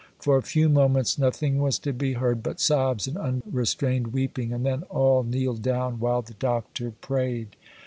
For a few moments nothing was to be heard but sobs and unrestrained weeping, and then all kneeled down while the Doctor prayed.